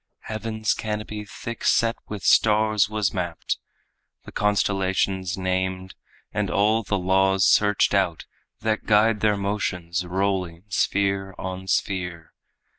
Heaven's canopy thick set with stars was mapped, The constellations named, and all the laws searched out That guide their motions, rolling sphere on sphere.